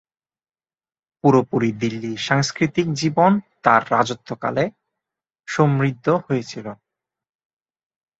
পুরোপুরি দিল্লির সাংস্কৃতিক জীবন তাঁর রাজত্বকালে সমৃদ্ধ হয়েছিল।